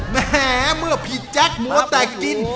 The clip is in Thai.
แหมเมื่อพี่แจ๊คมัวแตกจิน